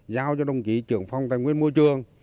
giao cho đồng ký trưởng phong tài nguyên môi trường